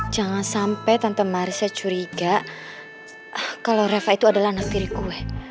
jangan sampai tante marisa curiga kalau reva itu adalah anak piri gue